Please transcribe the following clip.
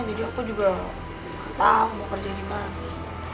jadi aku juga gak tau mau kerja dimana